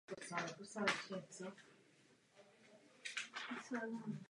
Nechceme omezovat právo evropských občanů na individuální mobilitu.